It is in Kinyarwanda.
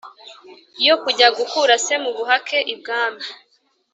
Yo kujya gukura se mubuhake ibwami